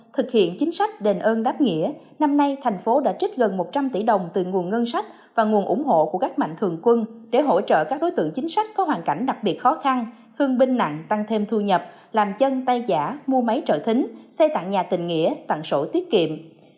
thực hiện chính sách đền ơn đáp nghĩa năm nay thành phố đã trích gần một trăm linh tỷ đồng từ nguồn ngân sách và nguồn ủng hộ của các mạnh thường quân để hỗ trợ các đối tượng chính sách có hoàn cảnh đặc biệt khó khăn hương binh nặng tăng thêm thu nhập làm chân tay giả mua máy trợ thính xây tặng nhà tình nghĩa tặng sổ tiết kiệm